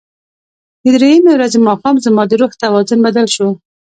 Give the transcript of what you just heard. د درېیمې ورځې ماښام زما د روح توازن بدل شو.